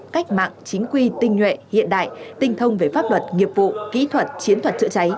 cách mạng chính quy tinh nhuệ hiện đại tinh thông về pháp luật nghiệp vụ kỹ thuật chiến thuật chữa cháy